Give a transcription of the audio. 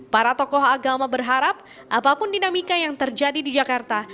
para tokoh agama berharap apapun dinamika yang terjadi di jakarta